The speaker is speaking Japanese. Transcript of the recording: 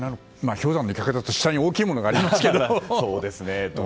氷山の一角だとしても下に大きいものがありますけど。